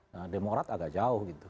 nah demokrat agak jauh gitu